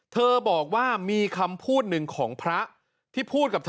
เธอบอกว่ามีคำพูดหนึ่งของพระที่พูดกับเธอ